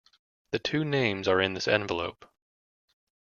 The two names are in this envelope.